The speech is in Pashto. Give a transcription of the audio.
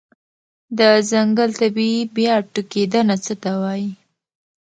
د ځنګل طبيعي بیا ټوکیدنه څه ته وایې؟